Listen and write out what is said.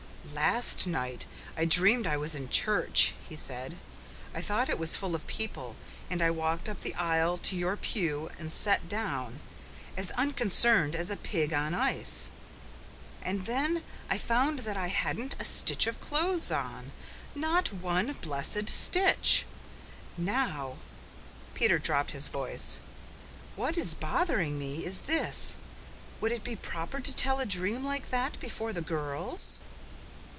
"Last night I dreamed I was in church," he said. "I thought it was full of people, and I walked up the aisle to your pew and set down, as unconcerned as a pig on ice. And then I found that I hadn't a stitch of clothes on NOT ONE BLESSED STITCH. Now" Peter dropped his voice "what is bothering me is this would it be proper to tell a dream like that before the girls?"